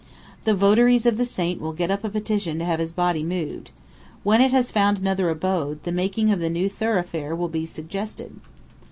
The votaries of the saint will get up a petition to have his body moved. When it has found another abode, the making of the new thoroughfare will be suggested."